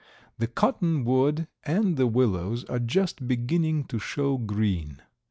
The cottonwood and the willows are just beginning to show green.